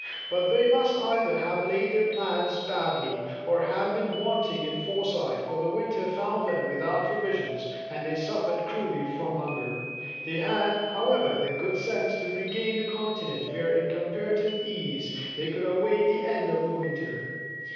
But they must either have laid their plans badly, or have been wanting in foresight, for the winter found them without provisions, and they suffered cruelly from hunger. They had, however, the good sense to regain the continent, where in comparative ease, they could await the end of the winter.